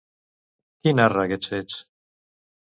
Qui narra aquests fets?